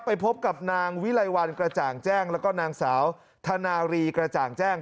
ไปพบกับนางวิไลวันกระจ่างแจ้งแล้วก็นางสาวธนารีกระจ่างแจ้ง